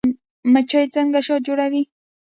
مچۍ څنګه شات جوړوي؟